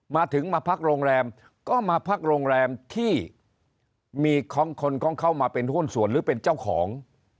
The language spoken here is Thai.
มาถึงมาพักโรงแรมก็มาพักโรงแรมที่มีคนของเข้ามาเป็นหุ้นส่วนหรือเป็นเจ้าของ